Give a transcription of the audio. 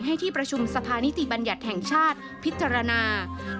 ให้ที่ประชุมสภานิติบัญญัติแห่งชาติพิจารณา